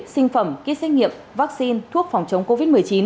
sinh phẩm ký xét nghiệm vaccine thuốc phòng chống covid một mươi chín